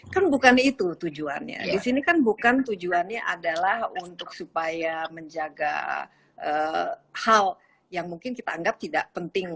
kan bukan itu tujuannya disini kan bukan tujuannya adalah untuk supaya menjaga hal yang mungkin kita anggap tidak penting